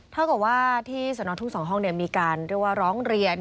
เท่ากับว่าที่สนทุกสองห้องมีการร้องเรียน